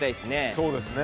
そうですね。